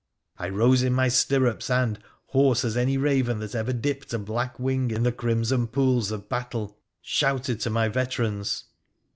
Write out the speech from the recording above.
I rose in my stirrups, and, hoarse a any raven that ever dipped a black wing in the crimson pool of battle, shouted to my veterans.